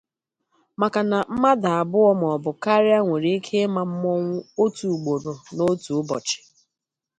maka na mmadụ abụọ maọbụ karịa nwere ike ịma mmọnwụ otu ugboro na otu ụbọchị